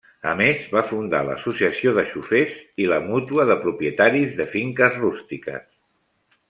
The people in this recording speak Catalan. A més, va fundar l'Associació de Xofers i la Mútua de Propietaris de Finques Rústiques.